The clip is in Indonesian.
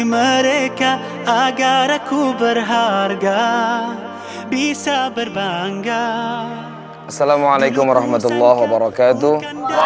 waalaikumsalam warahmatullahi wabarakatuh